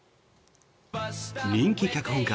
人気脚本家